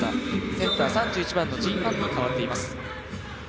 センター、３１番のジン・アンに代わっています。